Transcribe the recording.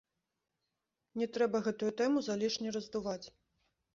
Не трэба гэтую тэму залішне раздуваць.